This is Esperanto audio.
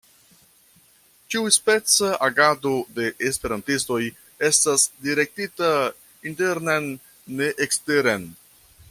Ĉiuspeca agado de esperantistoj estas direktita internen, ne eksteren.